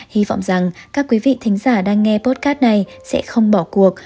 hy vọng rằng các quý vị thính giả đang nghe potcad này sẽ không bỏ cuộc